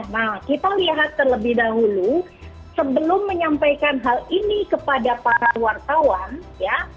nah kita lihat terlebih dahulu sebelum menyampaikan hal ini kepada para wartawan ya